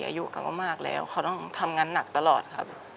อายุเขาก็มากแล้วเขาต้องทำงานหนักตลอดครับ